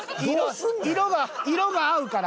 色が色が合うから。